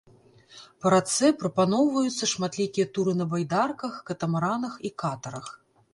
Па рацэ прапаноўваюцца шматлікія туры на байдарках, катамаранах і катарах.